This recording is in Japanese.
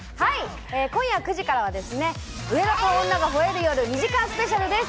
今夜９時からは『上田と女が吠える夜』２時間スペシャルです。